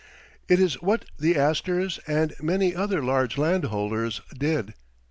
It is what the Astors and many other large landholders did.